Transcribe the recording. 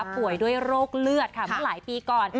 ป่วยด้วยโรคเลือดค่ะเมื่อหลายปีก่อน